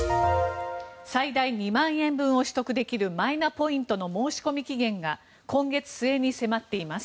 最大２万円分を取得できるマイナポイントの申込期限が今月末に迫っています。